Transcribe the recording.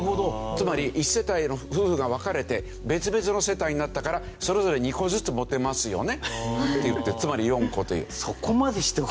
つまり一世帯の夫婦が別れて別々の世帯になったからそれぞれ２戸ずつ持てますよねっていってつまり４戸という。